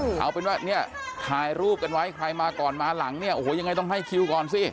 เอาเป็นว่าเนี่ยถ่ายรูปกันไว้ใครมาก่อนมาหลังเนี่ยโอ้โหยังไงต้องให้คิวก่อนสิ